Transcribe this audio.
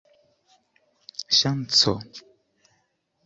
ŝanco